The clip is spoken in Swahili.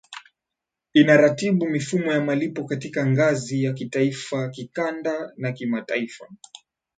inaratibu mifumo ya malipo katika ngazi ya kitaifa kikanda na kimataifa